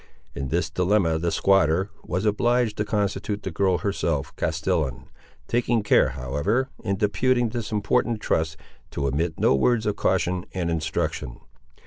In this dilemma the squatter was obliged to constitute the girl herself castellan; taking care, however, in deputing this important trust, to omit no words of caution and instruction.